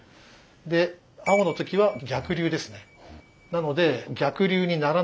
で青の時は逆流ですね。